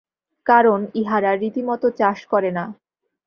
কারণ, ইহারা রীতিমত চাষ করে না।